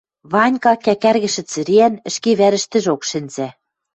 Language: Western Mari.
Ванька, кӓкӓргӹшӹ цӹреӓн, ӹшке вӓрӹштӹжок шӹнзӓ.